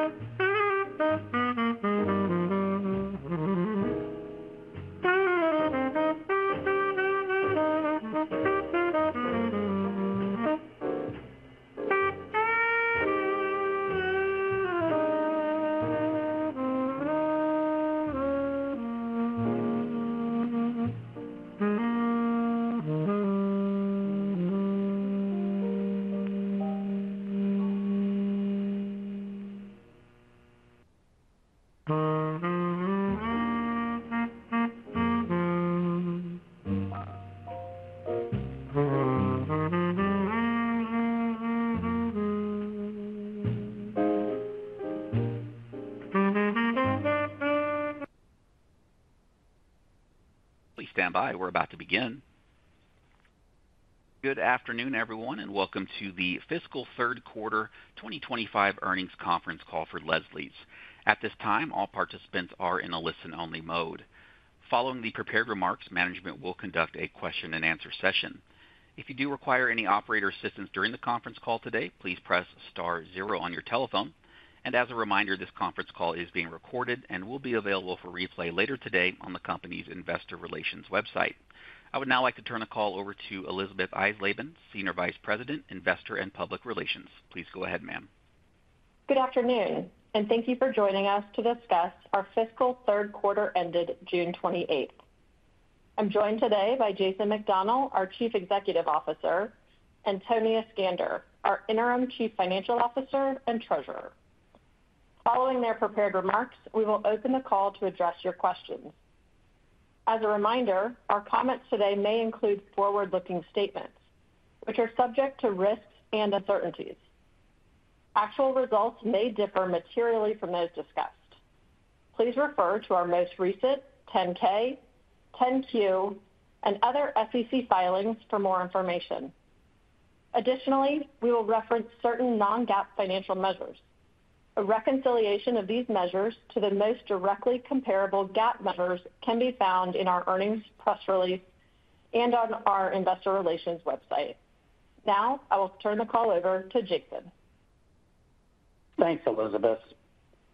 Thanks again. Please stand by. We're about to begin. Good afternoon, everyone, and welcome to the Fiscal Third Quarter 2025 Earnings Conference Call for Leslie's. At this time, all participants are in a listen-only mode. Following the prepared remarks, management will conduct a question-and-answer session. If you do require any operator assistance during the conference call today, please press star zero on your telephone. As a reminder, this conference call is being recorded and will be available for replay later today on the company's investor relations website. I would now like to turn the call over to Elisabeth Eisleben, Senior Vice President, Investor and Public Relations. Please go ahead, ma'am. Good afternoon, and thank you for joining us to discuss our fiscal third quarter ended June 28th. I'm joined today by Jason McDonell, our Chief Executive Officer, and Tony Iskander, our Interim Chief Financial Officer and Treasurer. Following their prepared remarks, we will open the call to address your questions. As a reminder, our comments today may include forward-looking statements, which are subject to risks and uncertainties. Actual results may differ materially from those discussed. Please refer to our most recent 10-K, 10-Q, and other SEC filings for more information. Additionally, we will reference certain non-GAAP financial measures. A reconciliation of these measures to the most directly comparable GAAP measures can be found in our earnings press release and on our investor relations website. Now, I will turn the call over to Jason. Thanks, Elisabeth.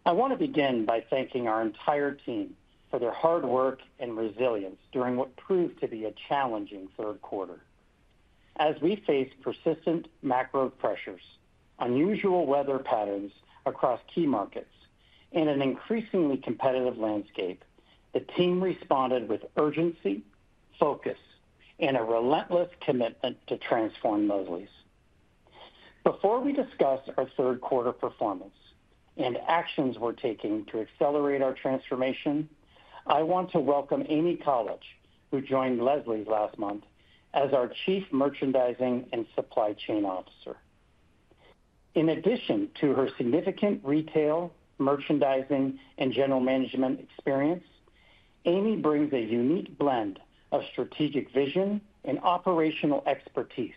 I want to begin by thanking our entire team for their hard work and resilience during what proved to be a challenging third quarter. As we faced persistent macro pressures, unusual weather patterns across key markets, and an increasingly competitive landscape, the team responded with urgency, focus, and a relentless commitment to transform Leslie's. Before we discuss our third quarter performance and actions we're taking to accelerate our transformation, I want to welcome Amy College, who joined Leslie's last month as our Chief Merchandising and Supply Chain Officer. In addition to her significant retail, merchandising, and general management experience, Amy brings a unique blend of strategic vision and operational expertise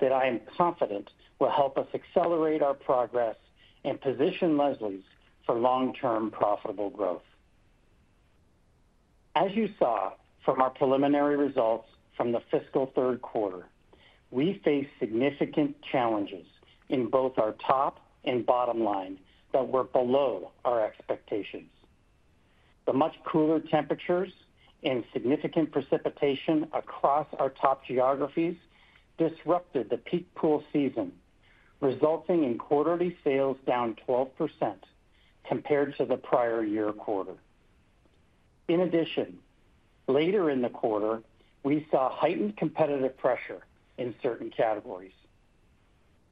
that I am confident will help us accelerate our progress and position Leslie's for long-term profitable growth. As you saw from our preliminary results from the fiscal third quarter, we faced significant challenges in both our top and bottom line that were below our expectations. The much cooler temperatures and significant precipitation across our top geographies disrupted the peak pool season, resulting in quarterly sales down 12% compared to the prior year quarter. In addition, later in the quarter, we saw heightened competitive pressure in certain categories.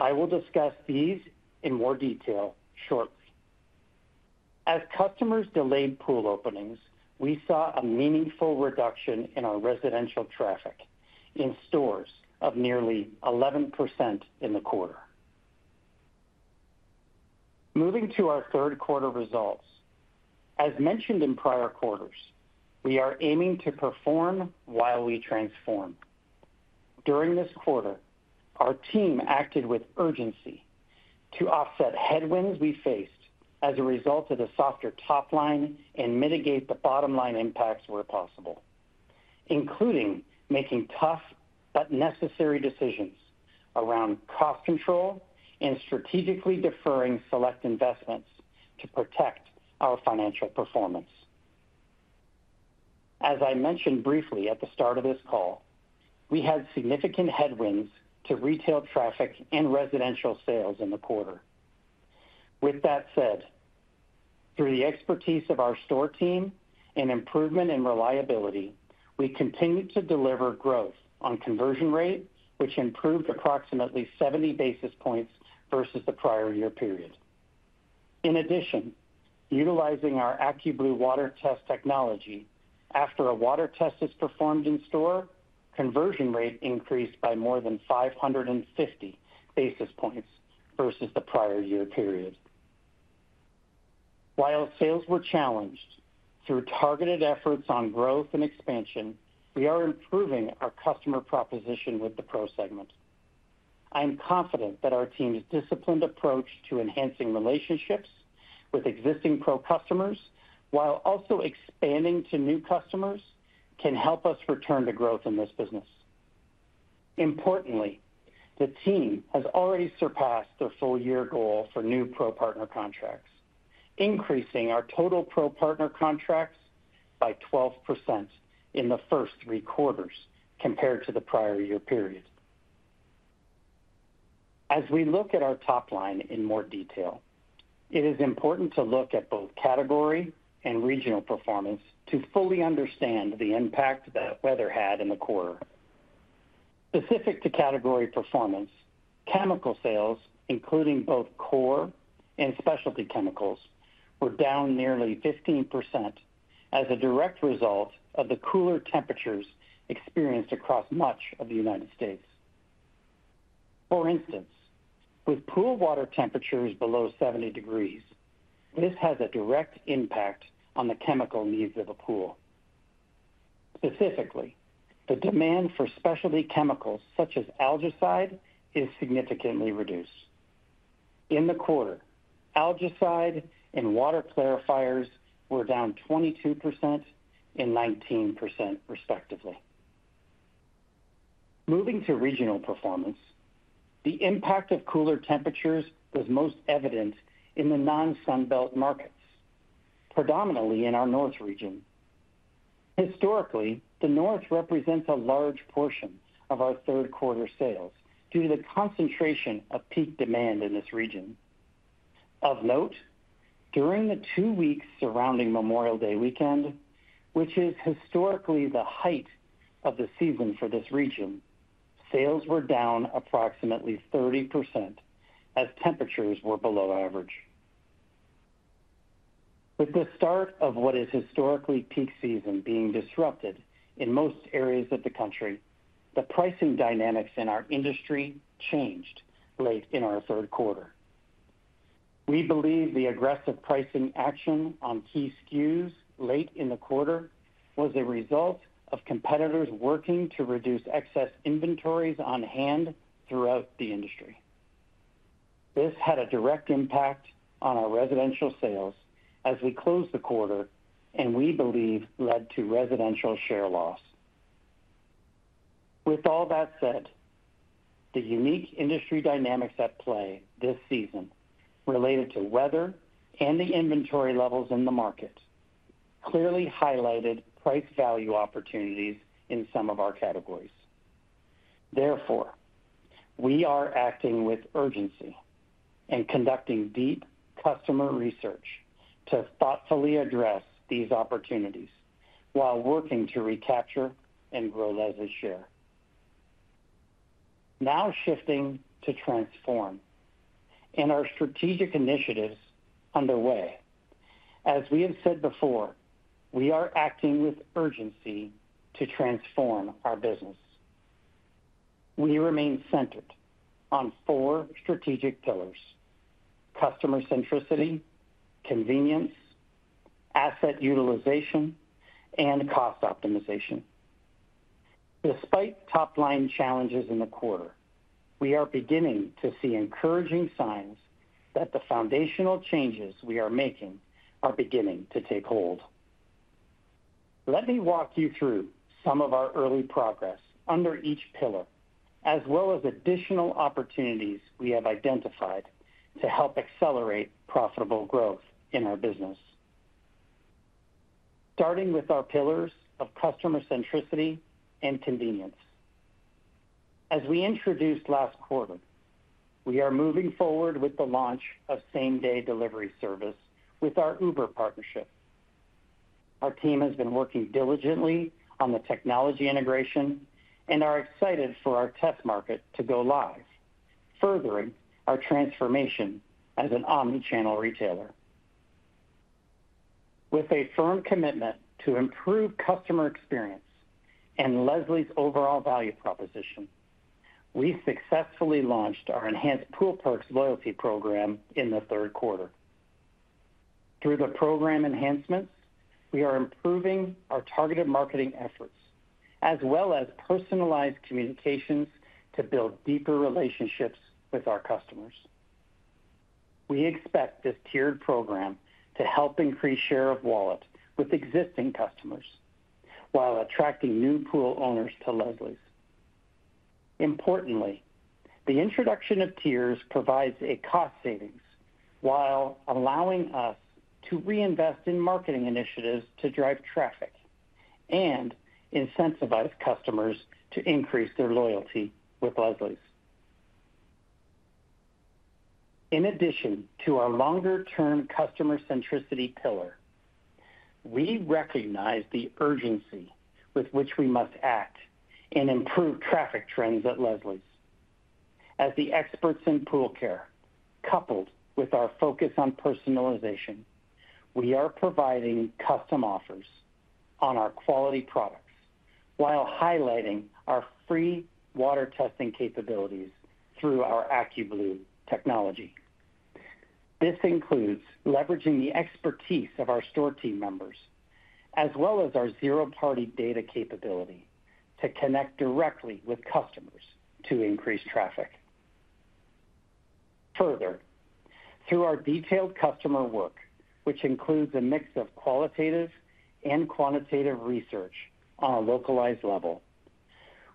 I will discuss these in more detail shortly. As customers delayed pool openings, we saw a meaningful reduction in our residential traffic in stores of nearly 11% in the quarter. Moving to our third quarter results, as mentioned in prior quarters, we are aiming to perform while we transform. During this quarter, our team acted with urgency to offset headwinds we faced as a result of the softer top line and mitigate the bottom line impacts where possible, including making tough but necessary decisions around cost control and strategically deferring select investments to protect our financial performance. As I mentioned briefly at the start of this call, we had significant headwinds to retail traffic and residential sales in the quarter. With that said, through the expertise of our store team and improvement in reliability, we continued to deliver growth on conversion rate, which improved approximately 70 basis points versus the prior year period. In addition, utilizing our AccuBlue water test technology, after a water test is performed in store, conversion rate increased by more than 550 basis points versus the prior year period. While sales were challenged, through targeted efforts on growth and expansion, we are improving our customer proposition with the pro segment. I'm confident that our team's disciplined approach to enhancing relationships with existing pro customers, while also expanding to new customers, can help us return to growth in this business. Importantly, the team has already surpassed their full-year goal for new pro partner contracts, increasing our total pro partner contracts by 12% in the first three quarters compared to the prior year period. As we look at our top line in more detail, it is important to look at both category and regional performance to fully understand the impact that weather had in the quarter. Specific to category performance, chemical sales, including both core and specialty chemicals, were down nearly 15% as a direct result of the cooler temperatures experienced across much of the United States. For instance, with pool water temperatures below 70 degrees, this has a direct impact on the chemical needs of the pool. Specifically, the demand for specialty chemicals such as algicide is significantly reduced. In the quarter, algicide and water clarifiers were down 22% and 19% respectively. Moving to regional performance, the impact of cooler temperatures was most evident in the non-sunbelt markets, predominantly in our north region. Historically, the north represents a large portion of our third quarter sales due to the concentration of peak demand in this region. Of note, during the two weeks surrounding Memorial Day weekend, which is historically the height of the season for this region, sales were down approximately 30% as temperatures were below average. With the start of what is historically peak season being disrupted in most areas of the country, the pricing dynamics in our industry changed late in our third quarter. We believe the aggressive pricing action on key SKUs late in the quarter was a result of competitors working to reduce excess inventories on hand throughout the industry. This had a direct impact on our residential sales as we closed the quarter, and we believe led to residential share loss. With all that said, the unique industry dynamics at play this season related to weather and the inventory levels in the market clearly highlighted price value opportunities in some of our categories. Therefore, we are acting with urgency and conducting deep customer research to thoughtfully address these opportunities while working to recapture and grow Leslie's share. Now shifting to transform and our strategic initiatives underway. As we have said before, we are acting with urgency to transform our business. We remain centered on four strategic pillars: customer centricity, convenience, asset utilization, and cost optimization. Despite top line challenges in the quarter, we are beginning to see encouraging signs that the foundational changes we are making are beginning to take hold. Let me walk you through some of our early progress under each pillar, as well as additional opportunities we have identified to help accelerate profitable growth in our business. Starting with our pillars of customer centricity and convenience. As we introduced last quarter, we are moving forward with the launch of same-day delivery service with our Uber partnership. Our team has been working diligently on the technology integration and are excited for our tech market to go live, furthering our transformation as an omnichannel retailer. With a firm commitment to improve customer experience and Leslie's overall value proposition, we successfully launched our enhanced Pool Perks loyalty program in the third quarter. Through the program enhancements, we are improving our targeted marketing efforts, as well as personalized communications to build deeper relationships with our customers. We expect this tiered program to help increase share of wallet with existing customers while attracting new pool owners to Leslie's. Importantly, the introduction of tiers provides a cost savings while allowing us to reinvest in marketing initiatives to drive traffic and incentivize customers to increase their loyalty with Leslie's. In addition to our longer-term customer centricity pillar, we recognize the urgency with which we must act and improve traffic trends at Leslie's. As the experts in pool care, coupled with our focus on personalization, we are providing custom offers on our quality products while highlighting our free water testing capabilities through our AccuBlue technology. This includes leveraging the expertise of our store team members, as well as our zero-party data capability to connect directly with customers to increase traffic. Further, through our detailed customer work, which includes a mix of qualitative and quantitative research on a localized level,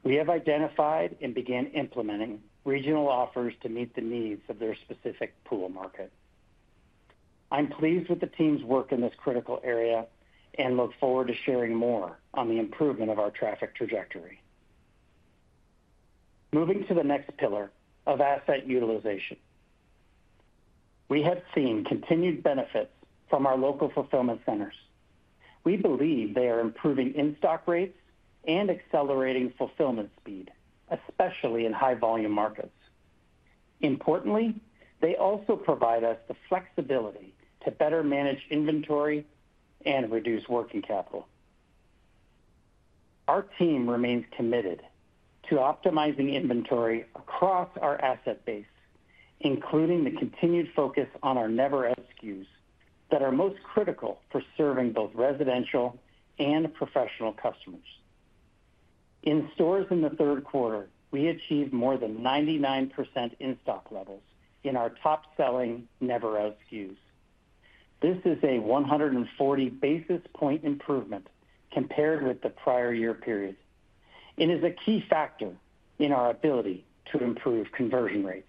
we have identified and began implementing regional offers to meet the needs of their specific pool market. I'm pleased with the team's work in this critical area and look forward to sharing more on the improvement of our traffic trajectory. Moving to the next pillar of asset utilization, we have seen continued benefits from our local fulfillment centers. We believe they are improving in-stock rates and accelerating fulfillment speed, especially in high-volume markets. Importantly, they also provide us the flexibility to better manage inventory and reduce working capital. Our team remains committed to optimizing inventory across our asset base, including the continued focus on our never-end SKUs that are most critical for serving both residential and professional customers. In stores in the third quarter, we achieved more than 99% in-stock levels in our top-selling never-end SKUs. This is a 140 basis point improvement compared with the prior year period and is a key factor in our ability to improve conversion rates.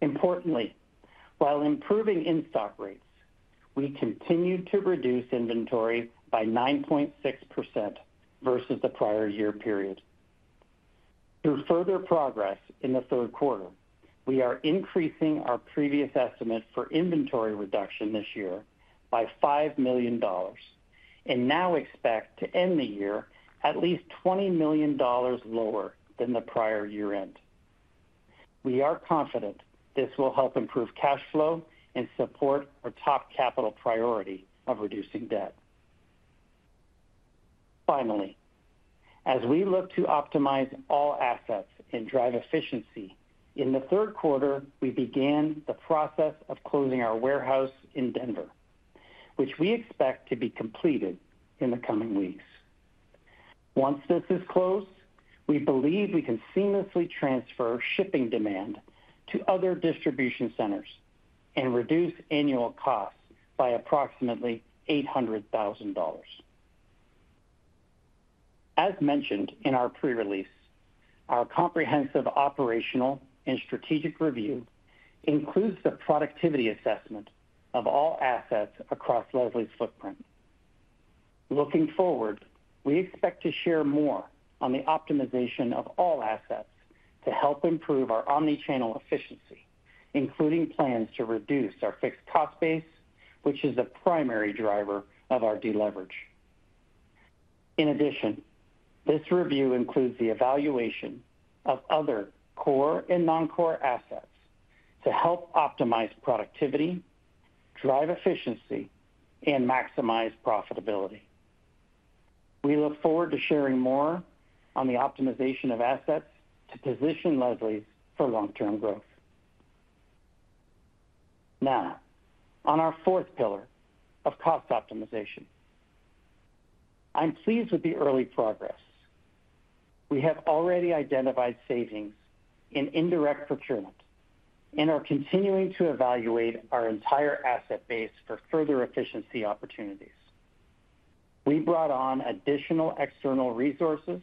Importantly, while improving in-stock rates, we continue to reduce inventory by 9.6% versus the prior year period. Through further progress in the third quarter, we are increasing our previous estimate for inventory reduction this year by $5 million and now expect to end the year at least $20 million lower than the prior year end. We are confident this will help improve cash flow and support our top capital priority of reducing debt. Finally, as we look to optimize all assets and drive efficiency in the third quarter, we began the process of closing our warehouse in Denver, which we expect to be completed in the coming weeks. Once this is closed, we believe we can seamlessly transfer shipping demand to other distribution centers and reduce annual costs by approximately $800,000. As mentioned in our pre-release, our comprehensive operational and strategic review includes the productivity assessment of all assets across Leslie's footprint. Looking forward, we expect to share more on the optimization of all assets to help improve our omnichannel efficiency, including plans to reduce our fixed cost base, which is the primary driver of our deleverage. In addition, this review includes the evaluation of other core and non-core assets to help optimize productivity, drive efficiency, and maximize profitability. We look forward to sharing more on the optimization of assets to position Leslie's for long-term growth. Now, on our fourth pillar of cost optimization, I'm pleased with the early progress. We have already identified savings in indirect procurement and are continuing to evaluate our entire asset base for further efficiency opportunities. We brought on additional external resources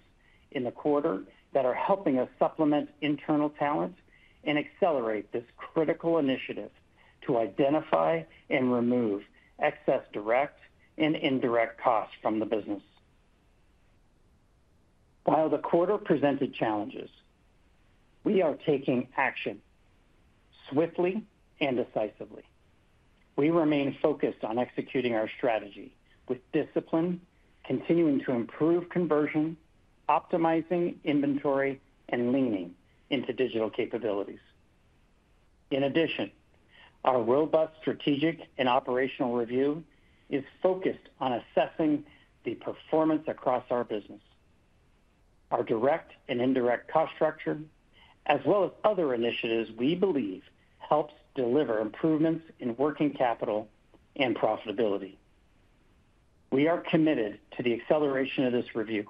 in the quarter that are helping us supplement internal talent and accelerate this critical initiative to identify and remove excess direct and indirect costs from the business. While the quarter presented challenges, we are taking action swiftly and decisively. We remain focused on executing our strategy with discipline, continuing to improve conversion, optimizing inventory, and leaning into digital capabilities. In addition, our robust strategic and operational review is focused on assessing the performance across our business, our direct and indirect cost structure, as well as other initiatives we believe help deliver improvements in working capital and profitability. We are committed to the acceleration of this review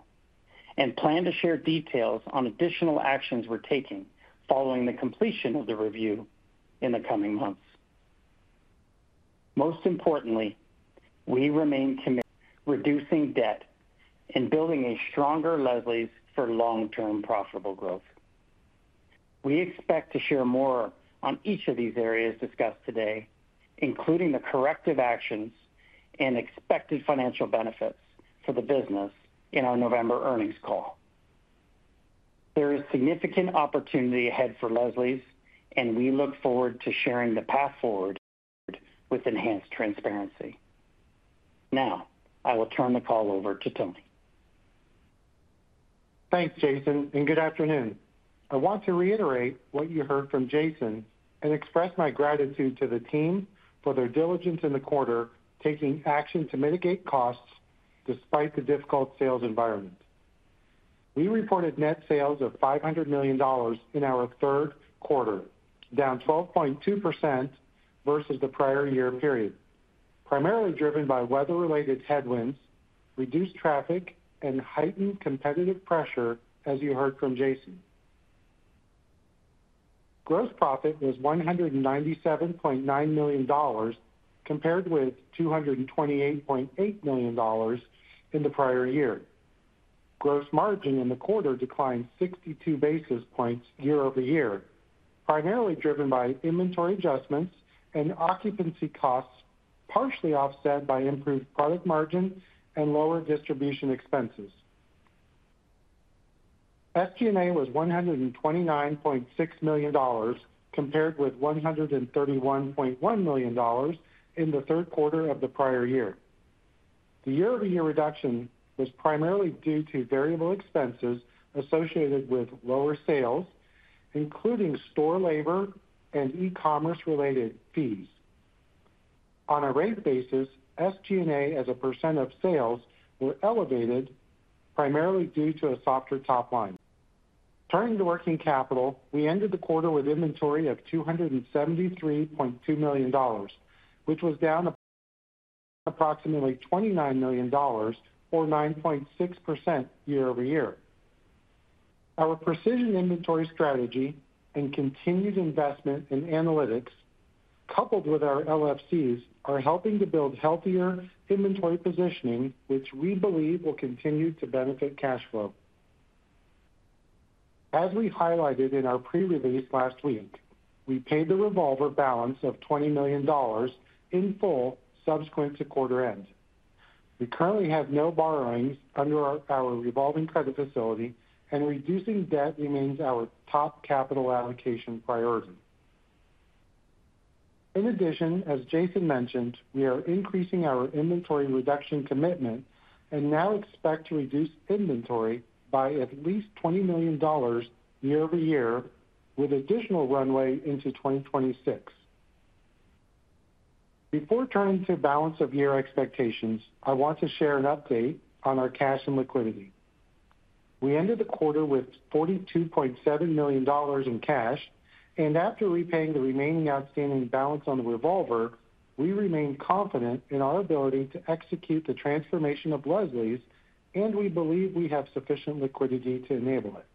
and plan to share details on additional actions we're taking following the completion of the review in the coming months. Most importantly, we remain committed to reducing debt and building a stronger Leslie's for long-term profitable growth. We expect to share more on each of these areas discussed today, including the corrective actions and expected financial benefits for the business in our November earnings call. There is significant opportunity ahead for Leslie's, and we look forward to sharing the path forward with enhanced transparency. Now, I will turn the call over to Tony. Thanks, Jason, and good afternoon. I want to reiterate what you heard from Jason and express my gratitude to the team for their diligence in the quarter, taking action to mitigate costs despite the difficult sales environment. We reported net sales of $500 million in our third quarter, down 12.2% versus the prior year period, primarily driven by weather-related headwinds, reduced traffic, and heightened competitive pressure, as you heard from Jason. Gross profit was $197.9 million compared with $228.8 million in the prior year. Gross margin in the quarter declined 62 basis points year-over-year, primarily driven by inventory adjustments and occupancy costs, partially offset by improved product margin and lower distribution expenses. SG&A was $129.6 million compared with $131.1 million in the third quarter of the prior year. The year-over-year reduction was primarily due to variable expenses associated with lower sales, including store labor and e-commerce-related fees. On a rate basis, SG&A as a percent of sales were elevated, primarily due to a softer top line. Turning to working capital, we ended the quarter with inventory of $273.2 million, which was down approximately $29 million, or 9.6% year-over-year. Our precision inventory strategy and continued investment in analytics, coupled with our local fulfillment centers, are helping to build healthier inventory positioning, which we believe will continue to benefit cash flow. As we highlighted in our pre-release last week, we paid the revolver balance of $20 million in full subsequent to quarter end. We currently have no borrowings under our revolving credit facility, and reducing debt remains our top capital allocation priority. In addition, as Jason mentioned, we are increasing our inventory reduction commitment and now expect to reduce inventory by at least $20 million year-over-year, with additional runway into 2026. Before turning to balance of year expectations, I want to share an update on our cash and liquidity. We ended the quarter with $42.7 million in cash, and after repaying the remaining outstanding balance on the revolver, we remain confident in our ability to execute the transformation of Leslie's, and we believe we have sufficient liquidity to enable it.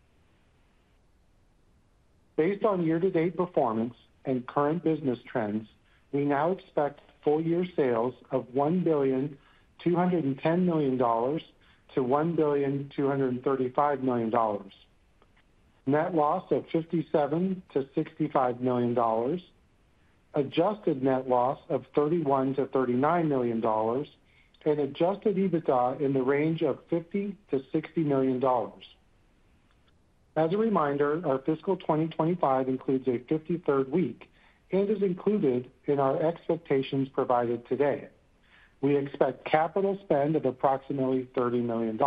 Based on year-to-date performance and current business trends, we now expect full-year sales of $1,210,000,000-$1,235,000,000 net loss of $57 million-$65 million, adjusted net loss of $31 million-$39 million, and adjusted EBITDA in the range of $50 million-$60 million. As a reminder, our fiscal 2025 includes a 53rd week and is included in our expectations provided today. We expect capital spend of approximately $30 million.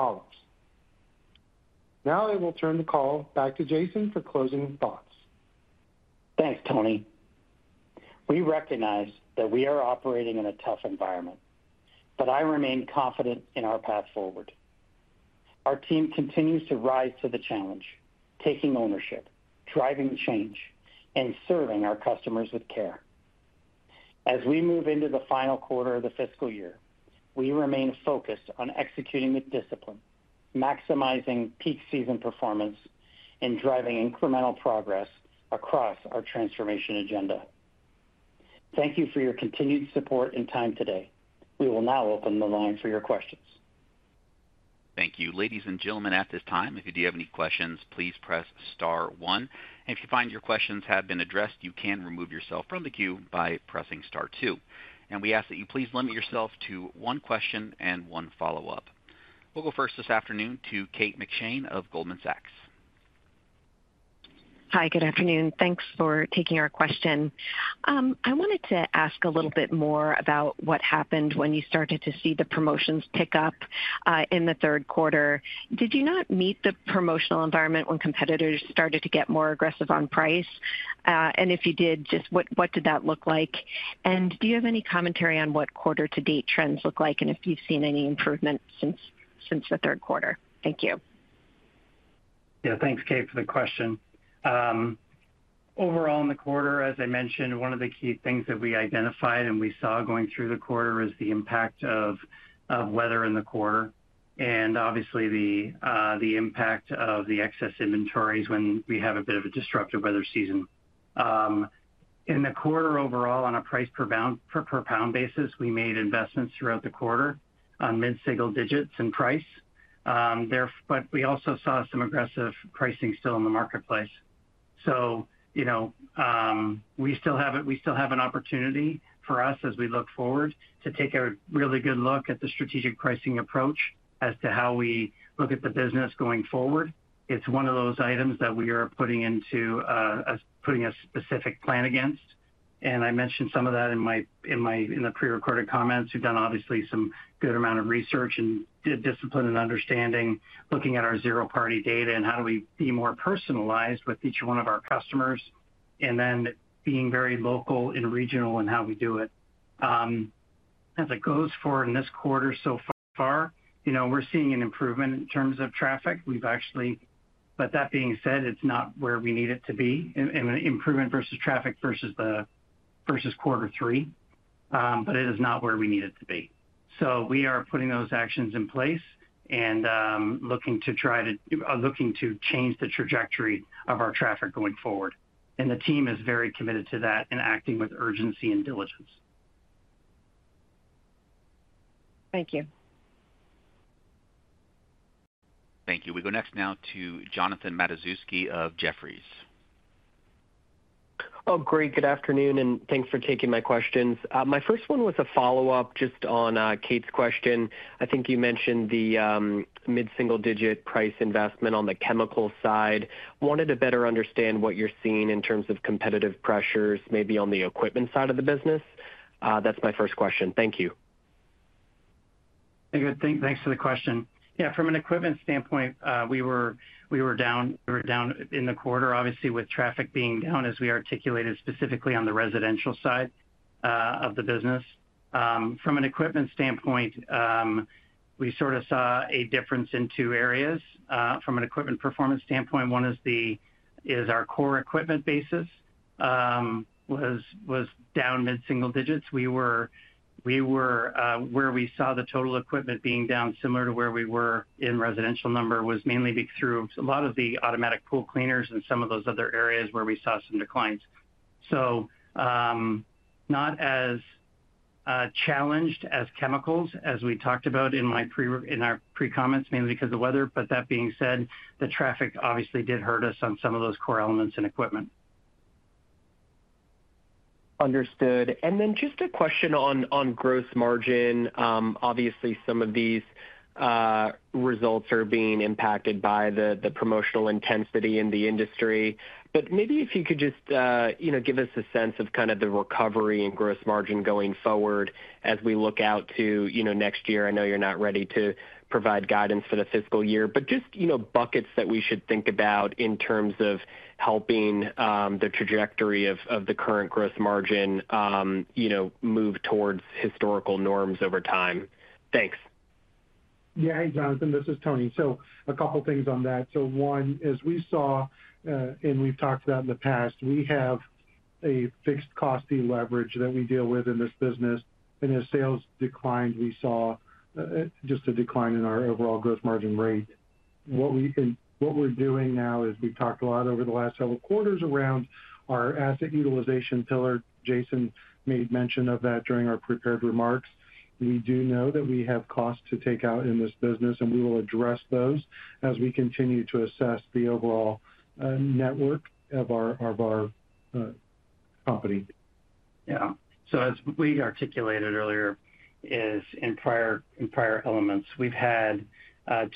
Now, I will turn the call back to Jason for closing thoughts. Thanks, Tony. We recognize that we are operating in a tough environment, but I remain confident in our path forward. Our team continues to rise to the challenge, taking ownership, driving change, and serving our customers with care. As we move into the final quarter of the fiscal year, we remain focused on executing with discipline, maximizing peak season performance, and driving incremental progress across our transformation agenda. Thank you for your continued support and time today. We will now open the line for your questions. Thank you. Ladies and gentlemen, at this time, if you do have any questions, please press star one. If you find your questions have been addressed, you can remove yourself from the queue by pressing star two. We ask that you please limit yourself to one question and one follow-up. We'll go first this afternoon to Kate McShane of Goldman Sachs. Hi, good afternoon. Thanks for taking our question. I wanted to ask a little bit more about what happened when you started to see the promotions pick up in the third quarter. Did you not meet the promotional environment when competitors started to get more aggressive on price? If you did, just what did that look like? Do you have any commentary on what quarter-to-date trends look like and if you've seen any improvement since the third quarter? Thank you. Yeah, thanks, Kate, for the question. Overall, in the quarter, as I mentioned, one of the key things that we identified and we saw going through the quarter is the impact of weather in the quarter and obviously the impact of the excess inventories when we have a bit of a disruptive weather season. In the quarter overall, on a price per pound basis, we made investments throughout the quarter on mid-single digits in price. We also saw some aggressive pricing still in the marketplace. You know, we still have an opportunity for us as we look forward to take a really good look at the strategic pricing approach as to how we look at the business going forward. It's one of those items that we are putting into a specific plan against. I mentioned some of that in the pre-recorded comments. We've done obviously some good amount of research and discipline and understanding, looking at our zero-party data and how do we be more personalized with each one of our customers and then being very local and regional in how we do it. As it goes forward in this quarter so far, you know, we're seeing an improvement in terms of traffic. That being said, it's not where we need it to be. An improvement versus traffic versus the quarter three, but it is not where we need it to be. We are putting those actions in place and looking to try to change the trajectory of our traffic going forward. The team is very committed to that and acting with urgency and diligence. Thank you. Thank you. We go next now to Jonathan Matuszewski of Jefferies. Great. Good afternoon, and thanks for taking my questions. My first one was a follow-up just on Kate's question. I think you mentioned the mid-single-digit price investment on the chemical side. Wanted to better understand what you're seeing in terms of competitive pressures maybe on the equipment side of the business. That's my first question. Thank you. Thanks for the question. Yeah, from an equipment standpoint, we were down in the quarter, obviously, with traffic being down, as we articulated specifically on the residential side of the business. From an equipment standpoint, we sort of saw a difference in two areas. From an equipment performance standpoint, one is our core equipment basis was down mid-single digits. We were where we saw the total equipment being down similar to where we were in residential number was mainly through a lot of the automatic pool cleaners and some of those other areas where we saw some declines. Not as challenged as chemicals, as we talked about in our pre-comments, mainly because of the weather. That being said, the traffic obviously did hurt us on some of those core elements in equipment. Understood. Just a question on gross margin. Obviously, some of these results are being impacted by the promotional intensity in the industry. If you could just give us a sense of the recovery in gross margin going forward as we look out to next year. I know you're not ready to provide guidance for the fiscal year, but just buckets that we should think about in terms of helping the trajectory of the current gross margin move towards historical norms over time. Thanks. Yeah, hey, Jonathan, this is Tony. A couple of things on that. As we saw and we've talked about in the past, we have a fixed cost fee leverage that we deal with in this business. As sales declined, we saw just a decline in our overall gross margin rate. What we're doing now is we've talked a lot over the last several quarters around our asset utilization pillar. Jason made mention of that during our prepared remarks. We do know that we have costs to take out in this business, and we will address those as we continue to assess the overall network of our company. As we articulated earlier, in prior elements, we've had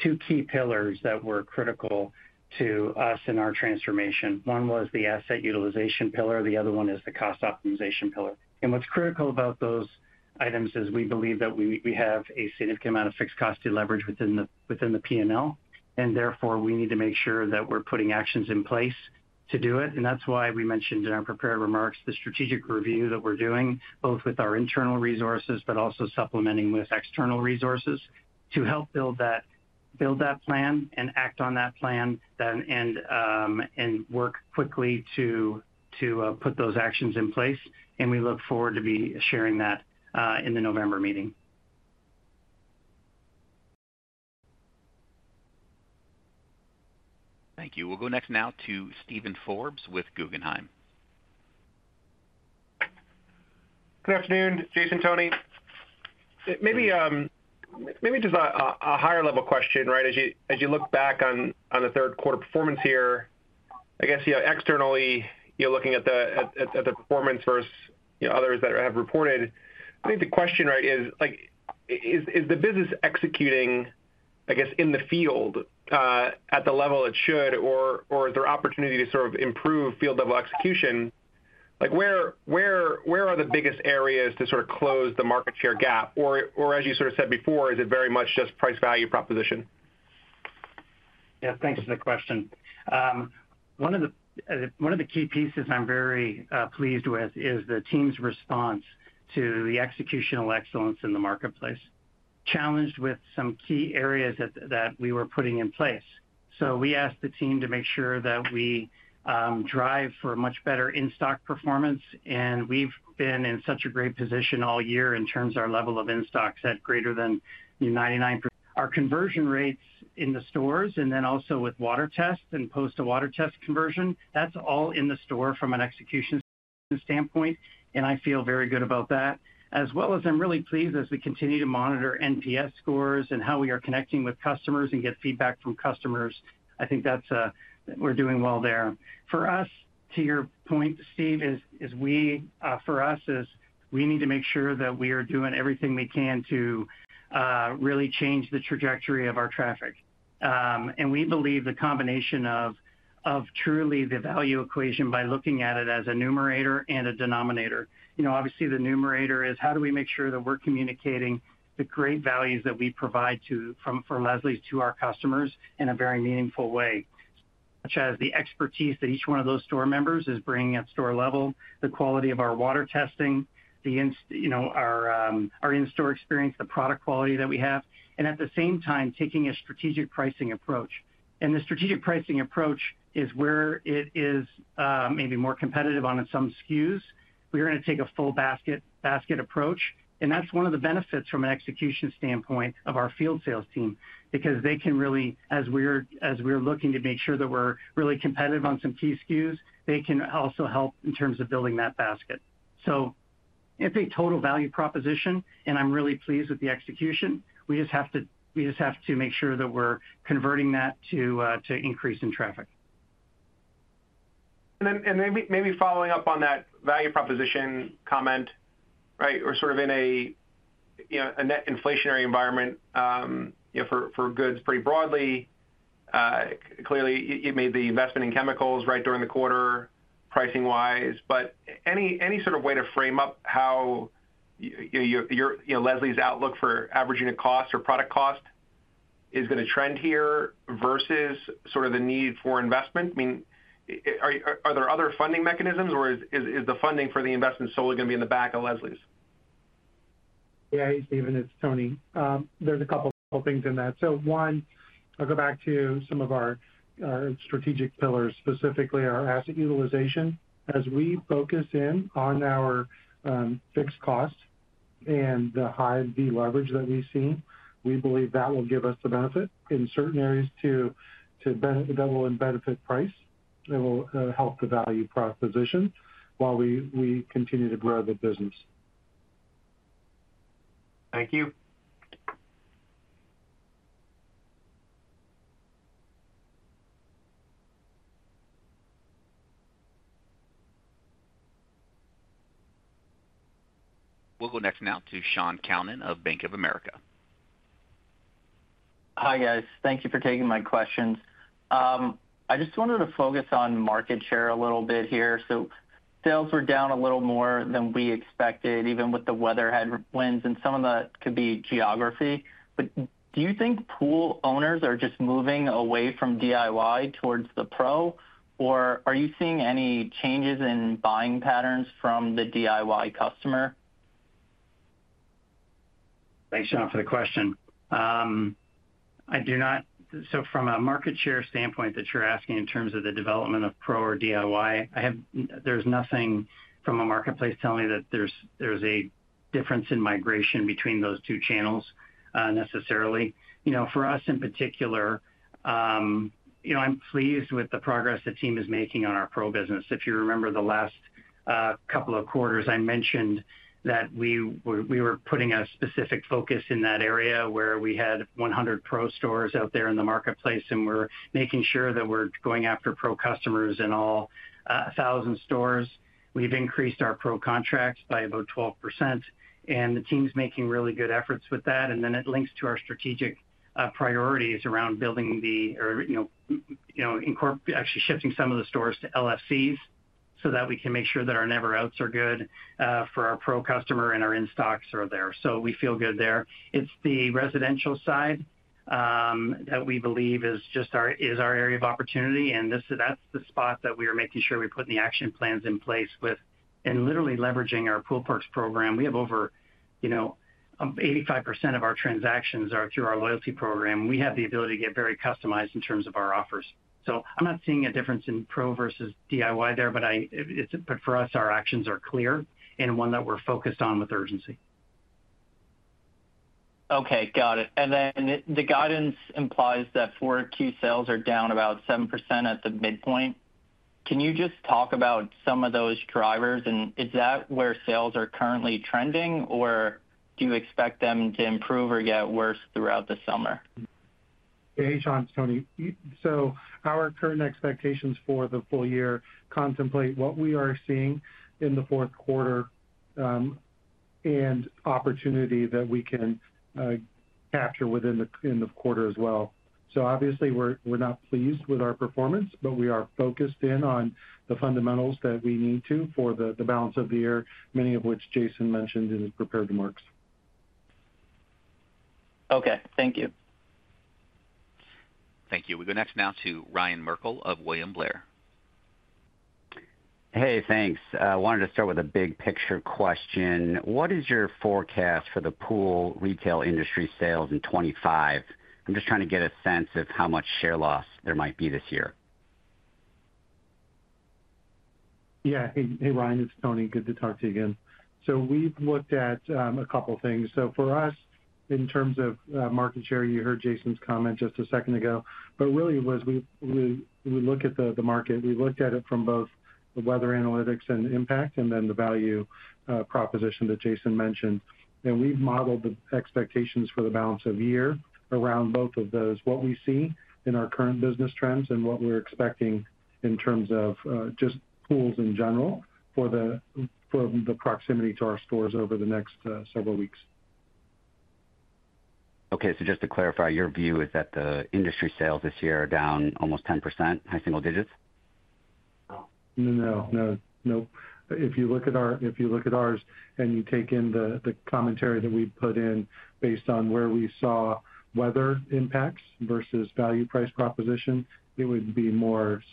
two key pillars that were critical to us in our transformation. One was the asset utilization pillar. The other one is the cost optimization pillar. What's critical about those items is we believe that we have a significant amount of fixed cost fee leverage within the P&L. Therefore, we need to make sure that we're putting actions in place to do it. That's why we mentioned in our prepared remarks the strategic review that we're doing, both with our internal resources, but also supplementing with external resources to help build that plan and act on that plan and work quickly to put those actions in place. We look forward to sharing that in the November meeting. Thank you. We'll go next now to Steven Forbes with Guggenheim. Good afternoon, Jason, Tony. Maybe just a higher-level question, right? As you look back on the third quarter performance here, I guess externally, you're looking at the performance versus others that have reported. I think the question is, is the business executing, I guess, in the field at the level it should, or is there opportunity to sort of improve field-level execution? Where are the biggest areas to sort of close the market share gap? As you sort of said before, is it very much just price value proposition? Yeah, thanks for the question. One of the key pieces I'm very pleased with is the team's response to the executional excellence in the marketplace, challenged with some key areas that we were putting in place. We asked the team to make sure that we drive for a much better in-stock performance. We've been in such a great position all year in terms of our level of in-stocks at greater than 99%. Our conversion rates in the stores and then also with water tests and post-to-water test conversion, that's all in the store from an execution standpoint. I feel very good about that. I'm really pleased as we continue to monitor NPS scores and how we are connecting with customers and get feedback from customers. I think we're doing well there. For us, to your point, Steve, we need to make sure that we are doing everything we can to really change the trajectory of our traffic. We believe the combination of truly the value equation by looking at it as a numerator and a denominator. Obviously, the numerator is how do we make sure that we're communicating the great values that we provide from Leslie's to our customers in a very meaningful way, such as the expertise that each one of those store members is bringing at store level, the quality of our water testing, our in-store experience, the product quality that we have, and at the same time, taking a strategic pricing approach. The strategic pricing approach is where it is maybe more competitive on some SKUs. We are going to take a full basket approach. That's one of the benefits from an execution standpoint of our field sales team because they can really, as we're looking to make sure that we're really competitive on some key SKUs, they can also help in terms of building that basket. It's a total value proposition, and I'm really pleased with the execution. We just have to make sure that we're converting that to increase in traffic. Maybe following up on that value proposition comment, right, we're sort of in a net inflationary environment for goods pretty broadly. Clearly, you made the investment in chemicals right during the quarter, pricing-wise. Any sort of way to frame up how Leslie's outlook for average unit cost or product cost is going to trend here versus sort of the need for investment? I mean, are there other funding mechanisms, or is the funding for the investment solely going to be in the back of Leslie's? Yeah, hey, Steven, it's Tony. There's a couple of things in that. One, I'll go back to some of our strategic pillars, specifically our asset utilization. As we focus in on our fixed cost and the high B leverage that we've seen, we believe that will give us the benefit in certain areas to double and benefit price. It will help the value proposition while we continue to grow the business. Thank you. We'll go next now to Shaun Calnan of Bank of America. Hi, guys. Thank you for taking my questions. I just wanted to focus on market share a little bit here. Sales were down a little more than we expected, even with the weather headwinds, and some of that could be geography. Do you think pool owners are just moving away from DIY towards the pro, or are you seeing any changes in buying patterns from the DIY customer? Thanks, Sean, for the question. I do not. From a market share standpoint that you're asking in terms of the development of pro or DIY, there's nothing from a marketplace telling me that there's a difference in migration between those two channels necessarily. For us in particular, I'm pleased with the progress the team is making on our pro business. If you remember the last couple of quarters, I mentioned that we were putting a specific focus in that area where we had 100 pro stores out there in the marketplace, and we're making sure that we're going after pro customers in all 1,000 stores. We've increased our pro contracts by about 12%, and the team's making really good efforts with that. It links to our strategic priorities around building the, or actually shifting some of the stores to local fulfillment centers so that we can make sure that our never-outs are good for our pro customer and our in-stocks are there. We feel good there. It's the residential side that we believe is just our area of opportunity. That's the spot that we are making sure we put the action plans in place with, and literally leveraging our Pool Perks program. We have over, you know, 85% of our transactions are through our loyalty program. We have the ability to get very customized in terms of our offers. I'm not seeing a difference in pro versus DIY there, but for us, our actions are clear and one that we're focused on with urgency. Okay, got it. The guidance implies that four key sales are down about 7% at the midpoint. Can you just talk about some of those drivers? Is that where sales are currently trending, or do you expect them to improve or get worse throughout the summer? Hey Sean, it's Tony. Our current expectations for the full year contemplate what we are seeing in the fourth quarter and opportunity that we can capture within the quarter as well. Obviously, we're not pleased with our performance, but we are focused in on the fundamentals that we need to for the balance of the year, many of which Jason mentioned in his prepared remarks. Okay, thank you. Thank you. We go next now to Ryan Merkel of William Blair. Hey, thanks. I wanted to start with a big picture question. What is your forecast for the pool retail industry sales in 2025? I'm just trying to get a sense of how much share loss there might be this year. Yeah, hey, Ryan, it's Tony. Good to talk to you again. We've looked at a couple of things. For us, in terms of market share, you heard Jason's comment just a second ago. Really, as we look at the market, we looked at it from both the weather analytics and impact, and then the value proposition that Jason mentioned. We've modeled the expectations for the balance of year around both of those, what we see in our current business trends and what we're expecting in terms of just pools in general for the proximity to our stores over the next several weeks. Okay, just to clarify, your view is that the industry sales this year are down almost 10%, high single digits? If you look at ours, and you take in the commentary that we put in based on where we saw weather impacts versus value price proposition, it would be more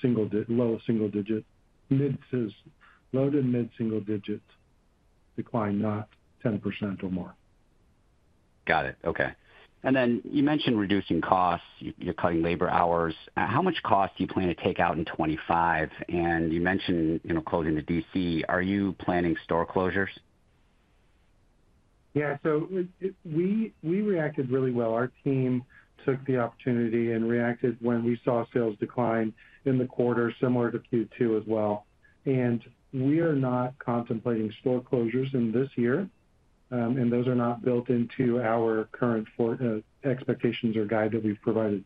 low single digit, low to mid-single digit decline, not 10% or more. Got it. Okay. You mentioned reducing costs. You're cutting labor hours. How much cost do you plan to take out in 2025? You mentioned closing the D.C. Are you planning store closures? Yeah, we reacted really well. Our team took the opportunity and reacted when we saw sales decline in the quarter, similar to Q2 as well. We are not contemplating store closures this year, and those are not built into our current expectations or guide that we've provided.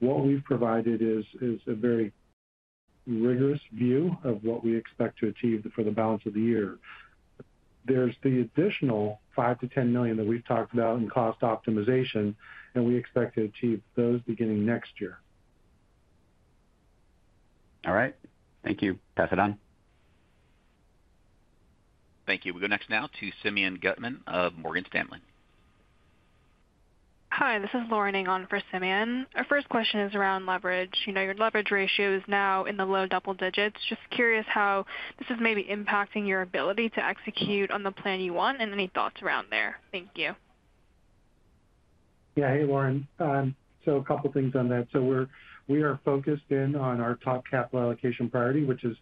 What we've provided is a very rigorous view of what we expect to achieve for the balance of the year. There's the additional $5 million-$10 million that we've talked about in cost optimization, and we expect to achieve those beginning next year. All right. Thank you, Elisabeth. Thank you. We go next now to Simeon Gutman of Morgan Stanley. Hi, this is Lauren Ng on for Simeon. Our first question is around leverage. You know your leverage ratio is now in the low double digits. Just curious how this is maybe impacting your ability to execute on the plan you want and any thoughts around there. Thank you. Yeah, hey, Lauren. A couple of things on that. We are focused in on our top capital allocation priority, which is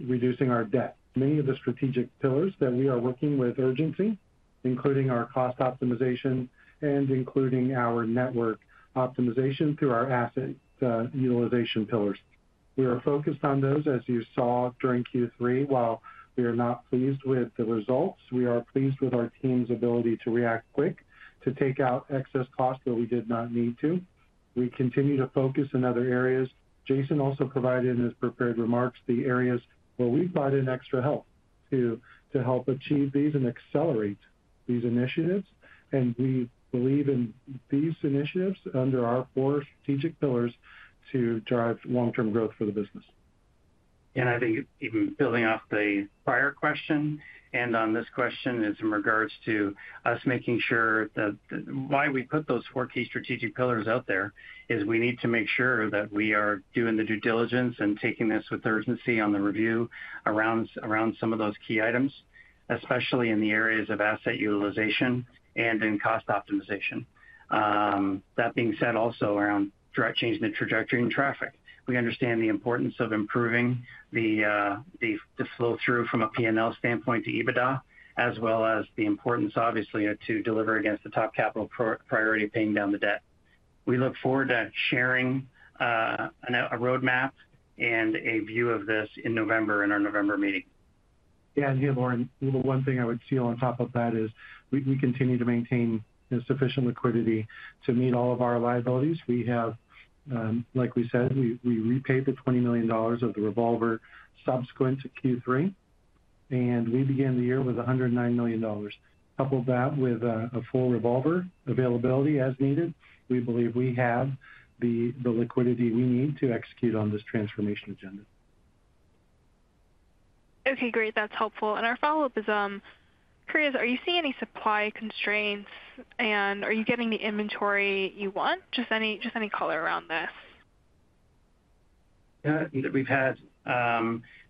reducing our debt. Many of the strategic pillars that we are working with urgency, including our cost optimization and including our network optimization through our asset utilization pillars. We are focused on those, as you saw during Q3. While we are not pleased with the results, we are pleased with our team's ability to react quick, to take out excess costs where we did not need to. We continue to focus in other areas. Jason also provided in his prepared remarks the areas where we've brought in extra help to help achieve these and accelerate these initiatives. We believe in these initiatives under our four strategic pillars to drive long-term growth for the business. I think even building off the prior question and on this question is in regards to us making sure that why we put those four key strategic pillars out there is we need to make sure that we are doing the due diligence and taking this with urgency on the review around some of those key items, especially in the areas of asset utilization and in cost optimization. That being said, also around changing the trajectory in traffic. We understand the importance of improving the flow through from a P&L standpoint to EBITDA, as well as the importance, obviously, to deliver against the top capital priority of paying down the debt. We look forward to sharing a roadmap and a view of this in November in our November meeting. Yeah, hey, Lauren. The one thing I would steal on top of that is we continue to maintain sufficient liquidity to meet all of our liabilities. We have, like we said, we repaid the $20 million of the revolver subsequent to Q3, and we began the year with $109 million. Couple that with a full revolver availability as needed, we believe we have the liquidity we need to execute on this transformation agenda. Okay, great. That's helpful. Our follow-up is, are you seeing any supply constraints, and are you getting the inventory you want? Just any color around this. We've had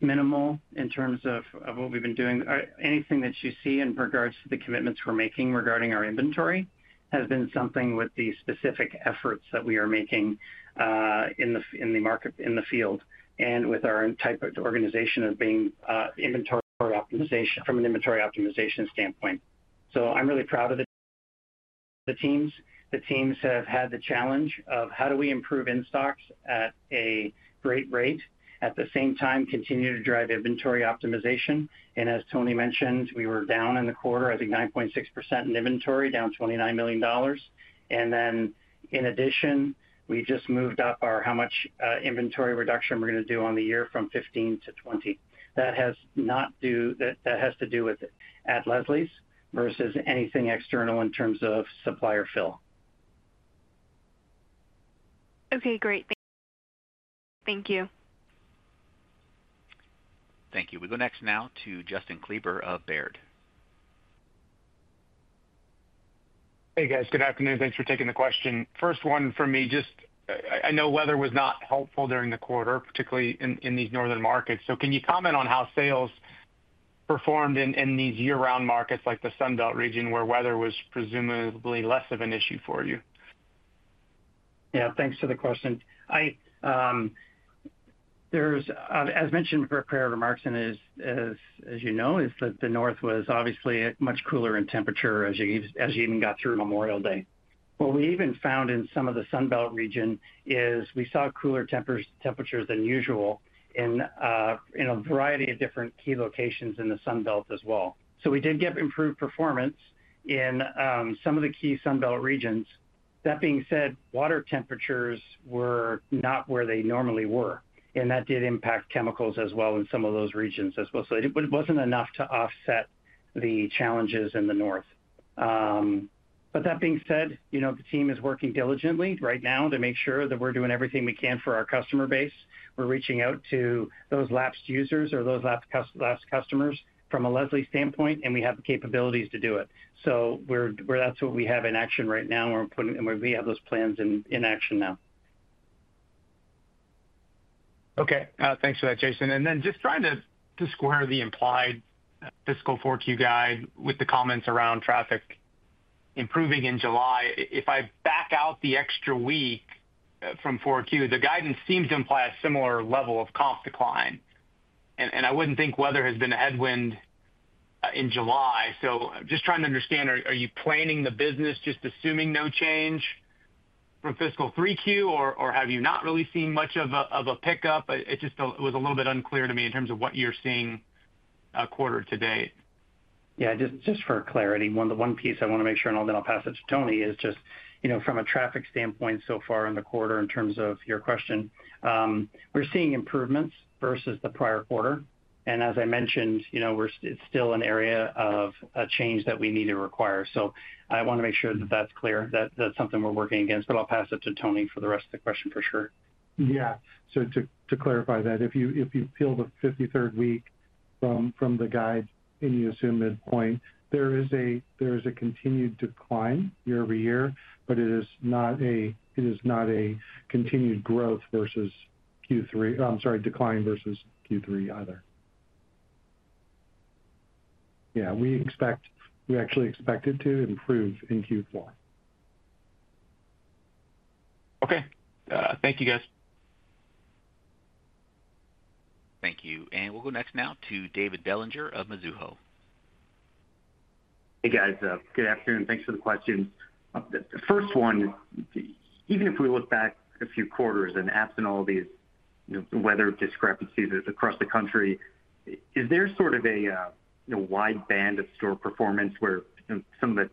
minimal in terms of what we've been doing. Anything that you see in regards to the commitments we're making regarding our inventory has been something with the specific efforts that we are making in the market, in the field, and with our type of organization of being from an inventory optimization standpoint. I'm really proud of the teams. The teams have had the challenge of how do we improve in-stocks at a great rate, at the same time continue to drive inventory optimization. As Tony mentioned, we were down in the quarter, I think 9.6% in inventory, down $29 million. In addition, we just moved up our how much inventory reduction we're going to do on the year from 15% to 20%. That has to do with at Leslie's versus anything external in terms of supplier fill. Okay, great. Thank you. Thank you. We go next now to Justin Kleber of Baird. Hey, guys, good afternoon. Thanks for taking the question. First one from me, I know weather was not helpful during the quarter, particularly in these northern markets. Can you comment on how sales performed in these year-round markets like the Sun Belt region where weather was presumably less of an issue for you? Yeah, thanks for the question. As mentioned in prepared remarks and as you know, the north was obviously much cooler in temperature as you even got through Memorial Day. What we even found in some of the Sun Belt region is we saw cooler temperatures than usual in a variety of different key locations in the Sun Belt as well. We did get improved performance in some of the key Sun Belt regions. That being said, water temperatures were not where they normally were, and that did impact chemicals as well in some of those regions. It wasn't enough to offset the challenges in the north. That being said, the team is working diligently right now to make sure that we're doing everything we can for our customer base. We're reaching out to those lapsed users or those lapsed customers from a Leslie's standpoint, and we have the capabilities to do it. That's what we have in action right now, and we have those plans in action now. Okay, thanks for that, Jason. Just trying to square the implied fiscal 4Q guide with the comments around traffic improving in July. If I back out the extra week from 4Q, the guidance seems to imply a similar level of comp decline. I wouldn't think weather has been a headwind in July. I am just trying to understand, are you planning the business just assuming no change from fiscal 3Q, or have you not really seen much of a pickup? It just was a little bit unclear to me in terms of what you're seeing quarter to date. Just for clarity, one piece I want to make sure, and then I'll pass it to Tony, is just from a traffic standpoint so far in the quarter in terms of your question. We're seeing improvements versus the prior quarter. As I mentioned, it's still an area of change that we need to require. I want to make sure that that's clear, that that's something we're working against. I'll pass it to Tony for the rest of the question for sure. Yeah, to clarify that, if you fill the 53rd week from the guide and you assume that point, there is a continued decline year-over-year, but it is not a continued decline versus Q3 either. We actually expect it to improve in Q4. Okay, thank you, guys. Thank you. We'll go next now to David Bellinger of Mizuho. Hey, guys, good afternoon. Thanks for the question. The first one, even if we look back a few quarters and absent all these weather discrepancies across the country, is there sort of a wide band of store performance where some of the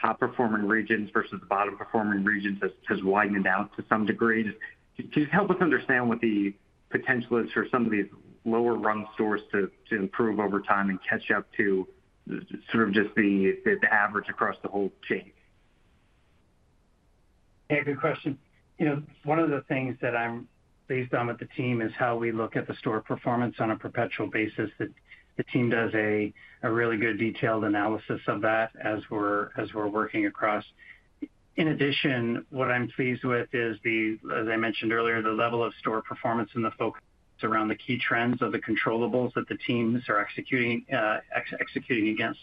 top-performing regions versus the bottom-performing regions have widened out to some degree? Could you help us understand what the potential is for some of these lower-run stores to improve over time and catch up to just the average across the whole chain? Yeah, good question. One of the things that I'm pleased with at the team is how we look at the store performance on a perpetual basis. The team does a really good detailed analysis of that as we're working across. In addition, what I'm pleased with is, as I mentioned earlier, the level of store performance and the focus around the key trends of the controllables that the teams are executing against.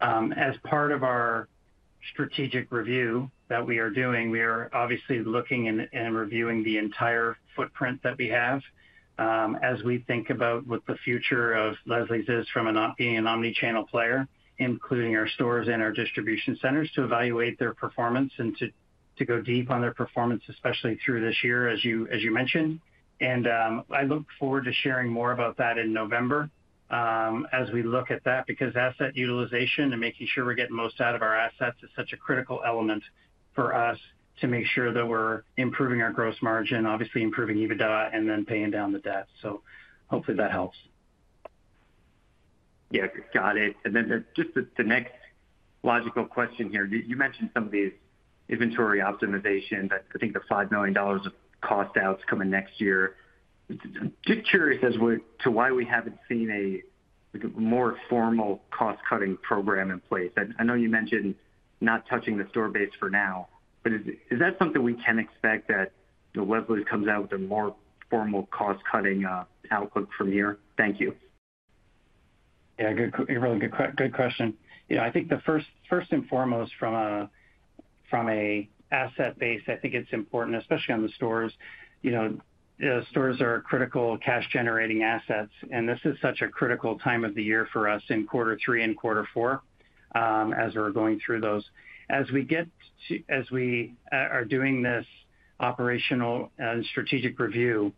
As part of our strategic review that we are doing, we are obviously looking and reviewing the entire footprint that we have as we think about what the future of Leslie's is from not being an omnichannel player, including our stores and our distribution centers, to evaluate their performance and to go deep on their performance, especially through this year, as you mentioned. I look forward to sharing more about that in November as we look at that because asset utilization and making sure we're getting most out of our assets is such a critical element for us to make sure that we're improving our gross margin, obviously improving EBITDA, and then paying down the debt. Hopefully that helps. Got it. The next logical question here, you mentioned some of these inventory optimization that I think the $5 million of cost outs coming next year. Just curious as to why we haven't seen a more formal cost-cutting program in place. I know you mentioned not touching the store base for now, but is that something we can expect that Leslie's comes out with a more formal cost-cutting outlook from here? Thank you. Yeah, really good question. I think the first and foremost from an asset base, I think it's important, especially on the stores. Stores are critical cash-generating assets, and this is such a critical time of the year for us in quarter three and quarter four as we're going through those. As we are doing this operational and strategic review,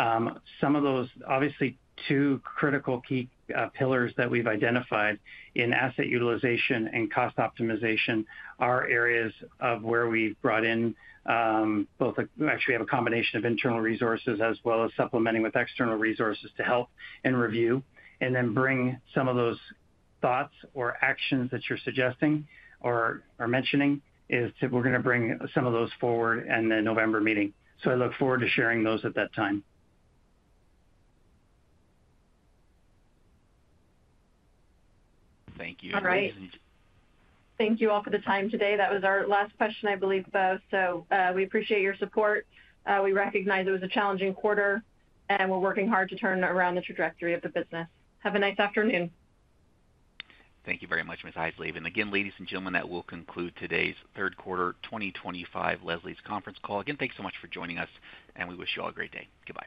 some of those, obviously, two critical key pillars that we've identified in asset utilization and cost optimization are areas where we've brought in both, actually, we have a combination of internal resources as well as supplementing with external resources to help and review and then bring some of those thoughts or actions that you're suggesting or are mentioning. We're going to bring some of those forward in the November meeting. I look forward to sharing those at that time. Thank you. All right. Thank you all for the time today. That was our last question, I believe. We appreciate your support. We recognize it was a challenging quarter, and we're working hard to turn around the trajectory of the business. Have a nice afternoon. Thank you very much, Ms. Eisleben. That will conclude today's third quarter 2025 Leslie's conference call. Again, thanks so much for joining us, and we wish you all a great day. Goodbye.